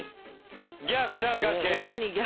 逆三角形！